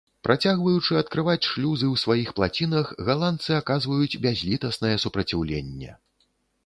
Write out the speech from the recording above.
Працягваючы адкрываць шлюзы ў сваіх плацінах, галандцы аказваюць бязлітаснае супраціўленне.